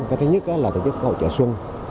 cái thứ nhất là tổ chức hỗ trợ xuân